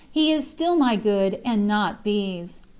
He is still my good, and not these.